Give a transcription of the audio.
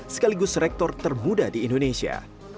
sekaligus rektor termuda di indonesia